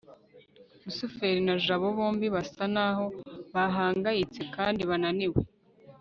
rusufero na jabo bombi basa naho bahangayitse kandi bananiwe